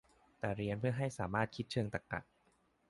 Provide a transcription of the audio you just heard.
แต่เรียนเพื่อให้สามารถคิดเชิงตรรกะ